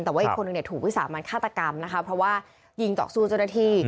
แต่ว่าอีกคนถูกวิสัยมาฆาตกรรมนะคะเพราะว่ายิงต่อกสู้จนที่